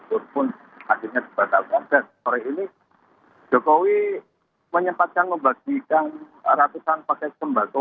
walaupun akhirnya dibatalkan dan sore ini jokowi menyempatkan membagikan ratusan paket sembako